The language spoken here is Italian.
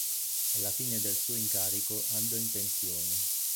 Alla fine del suo incarico andò in pensione.